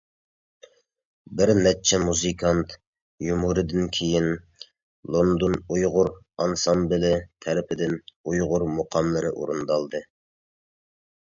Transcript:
بىر نەچچە مۇزىكانت يۇمۇرىدىن كىيىن، لوندون ئۇيغۇر ئانسامبىلى تەرىپىدىن ئۇيغۇر مۇقاملىرى ئورۇندالدى.